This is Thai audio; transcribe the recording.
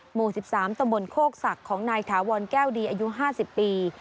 หมู่๑๓ตมโคกษักของนายถาวรแก้วดีอายุ๕๐ปี